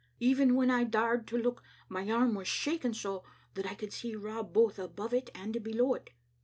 Even when I daured to look, my arm was shaking so that I could see Rob both above it and below it.